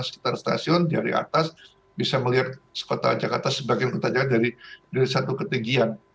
sekitar stasiun dari atas bisa melihat kota jakarta sebagian kota jakarta dari satu ketinggian